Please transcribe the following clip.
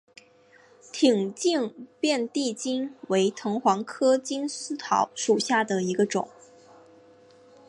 挺茎遍地金为藤黄科金丝桃属下的一个种。